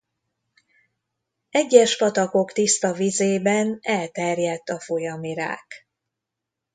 Egyes patakok tiszta vizében elterjedt a folyami rák.